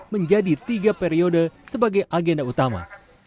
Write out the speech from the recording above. menjadi tiga periode sebagai agenda utama